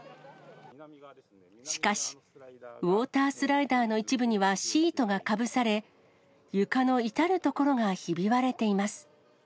しかし、ウォータースライダーの一部にはシートがかぶされ、床の至る所がひび割れています。